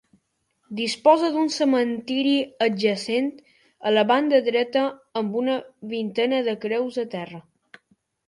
Disposa d'un cementiri adjacent, a la banda dreta, amb una vintena de creus a terra.